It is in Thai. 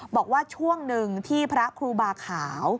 บอกว่าช่วงหนึ่งที่พระครูบาขาว